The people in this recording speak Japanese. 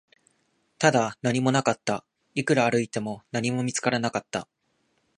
ただ、何もなかった、いくら歩いても、何も見つからなかった